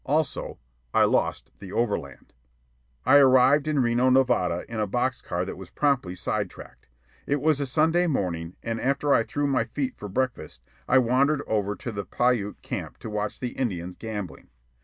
Also, I lost the overland. I arrived in Reno, Nevada, in a box car that was promptly side tracked. It was a Sunday morning, and after I threw my feet for breakfast, I wandered over to the Piute camp to watch the Indians gambling.